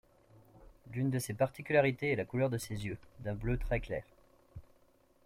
L'une de ses particularités est la couleur de ses yeux, d'un bleu très clair.